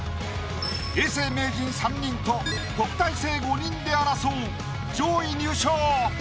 永世名人３人と特待生５人で争う上位入賞。